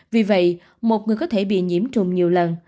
vì vậy một người có thể bị nhiễm trùng nhiều lần